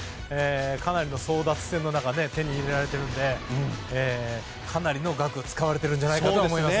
かなりの争奪戦の中手に入れられているのでかなりの額を使われてるんじゃないかと思いますね。